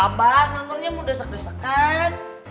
abah nontonnya mau desek desekan